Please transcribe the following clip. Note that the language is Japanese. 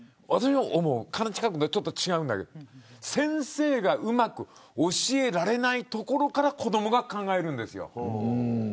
兼近君と、ちょっと違うんだけど先生がうまく教えられないところから子どもが考えるんですよ。